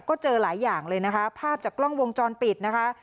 ก็เจอหลายอย่างเลยนะคะภาพจากกล้องวงจรปิดนะคะ